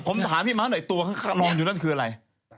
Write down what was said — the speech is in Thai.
ผมถามพี่ม้าหน่อยตัวข้างนอนอยู่นั่นคืออะไร